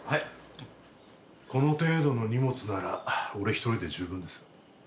この程度の荷物なら俺一人で十分ですよ。